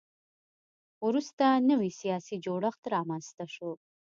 وروسته نوی سیاسي جوړښت رامنځته شو